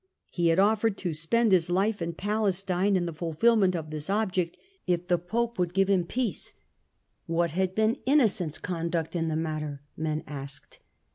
He had offered to spend his life in Palestine in^the THE GATHERING OF THE CLOUDS 273 fulfilment of this object if the Pope would give him peace. What had been Innocent's conduct in the matter, men asked